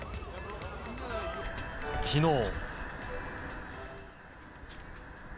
きのう。